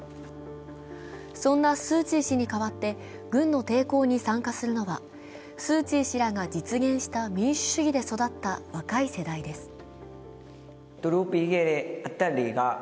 そんなスー・チー氏に代わって軍の抵抗に参加するのはスー・チー氏らが実現した民主主義で育った若い世代です。